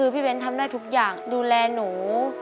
พี่เบ้นทำได้ทุกอย่างดูแลหนู